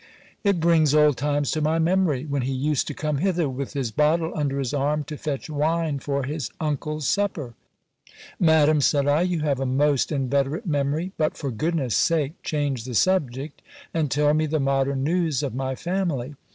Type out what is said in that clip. It brings old times to my memory ! when he used to come hither with his bottle under his arm, to fetch wine for his uncle's supper. Madam, said 1, you have a most inveterate memory ; but for goodness' sake change the subject, and tell me the modern news of my family.